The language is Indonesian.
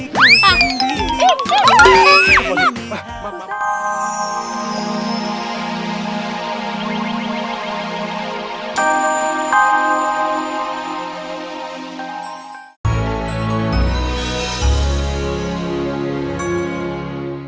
tuhan tuhan tuhan